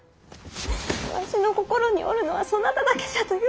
わしの心におるのはそなただけじゃと言うたではないか！